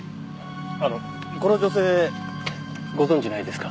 あのこの女性ご存じないですか？